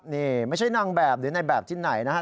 นี่ไม่ใช่นางแบบหรือในแบบที่ไหนนะครับ